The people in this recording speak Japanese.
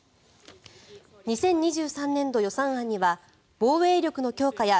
２０２３年度予算案には防衛力の強化や